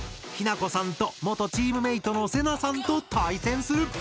ひなこさんと元チームメートのせなさんと対戦する。